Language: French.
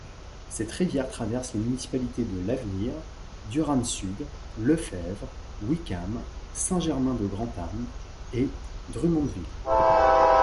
Cette rivière traverse les municipalités de: l'Avenir, Durham-Sud, Lefebvre, Wickham, Saint-Germain-de-Grantham et Drummondville.